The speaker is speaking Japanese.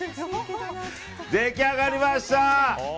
出来上がりました！